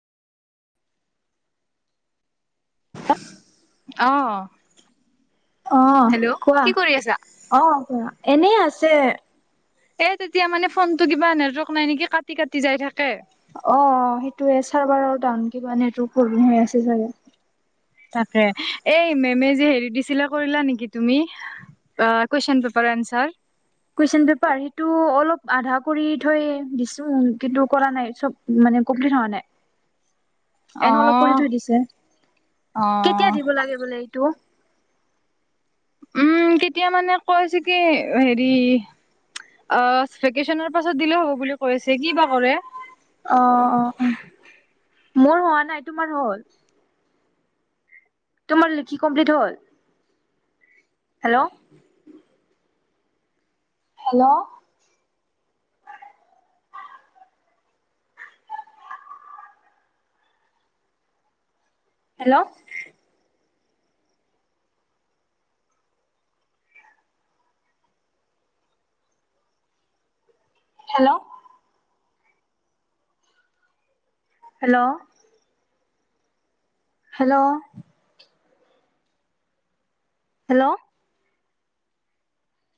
হাঁ। আহঁ। অঁ কোৱা অঁ কোৱা এনেই আছে। এ তেতিয়া মানে ফোন টো কিবা নেটৱৰ্ক নাই নেকি কাটি কাটি যাই থাকে। অঁ সেইটোয়ে চাৰ্ভাৰৰ দন কিব নেটৱক প্ৰব্লেম হৈ আছে চাগে? তাকে, এই মেমে যি হেৰি দিছিলা কৰিলা নেকি তুমি? আ question paper answer. Question paper সেইটো অলপ আধা কৰি থৈ দিছো, কিন্তু কৰা নাই চব মানে কমপ্লিট হোৱা নাই। এনে অলপ কৰি অ', থৈ দিছে, কেতিয়া অ', দিব লাগে বোলে? টো? উম, কেতিয়া মানে কৈছে কি হেৰি। অঁ ভেকেচনৰ পাছত দিলেও হ'ব বুলি কৈছে কি বা কৰে? অ অ মোৰ হোৱা নাই তোমাৰ হ'ল? তোমাৰ লিখি কমপ্লিট হ'ল? Hello! Hello! Hello! Hello! Hello! Hello! Hello!